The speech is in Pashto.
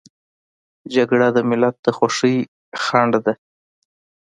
جګړه د ملت د خوښۍ خنډ ده